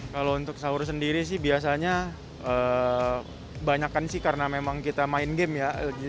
kalau untuk sahur sendiri sih biasanya banyakan sih karena memang kita main game ya